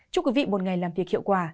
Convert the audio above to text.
chúc quý vị một ngày làm việc hiệu quả